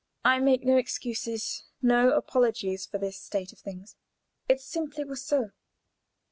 I make no excuses, no apologies for this state of things. It simply was so.